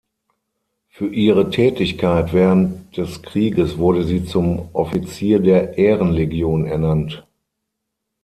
Für ihre Tätigkeit während des Krieges wurde sie zum Offizier der Ehrenlegion ernannt.